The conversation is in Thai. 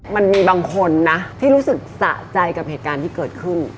มันมีบางคนนะที่รู้สึกสะใจกับเหตุการณ์ที่เกิดขึ้น